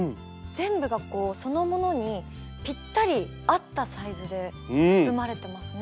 全部がこうそのものにぴったり合ったサイズで包まれてますね。